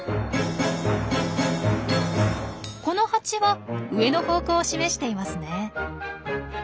このハチは上の方向を示していますね。